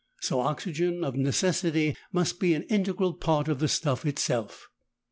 So oxygen, of necessity, must be an integral part of the stuff itself.